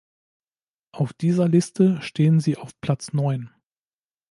Auf dieser Liste stehen Sie auf Platz neun.